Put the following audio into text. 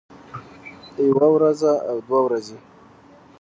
يوه وروځه او دوه ورځې